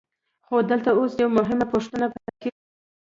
خو دلته اوس یوه مهمه پوښتنه پیدا کېږي